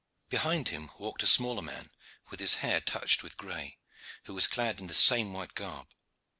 Behind him walked a smaller man with his hair touched with gray, who was clad in the same white garb.